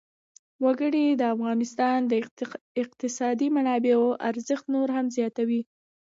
وګړي د افغانستان د اقتصادي منابعو ارزښت نور هم زیاتوي.